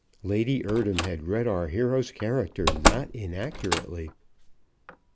Lady Eardham had read our hero's character not inaccurately.